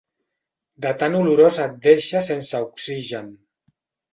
De tan olorós et deixa sense oxigen.